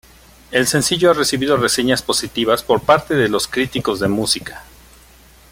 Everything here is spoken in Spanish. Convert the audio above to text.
El sencillo ha recibido reseñas positivas por parte de los críticos de música.